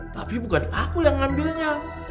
tapi bukan aku yang ngambilnya